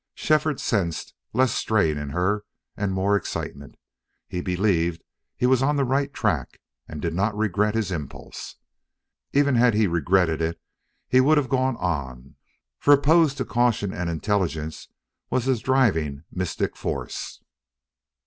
Shefford sensed less strain in her and more excitement. He believed he was on the right track and did not regret his impulse. Even had he regretted it he would have gone on, for opposed to caution and intelligence was his driving mystic force.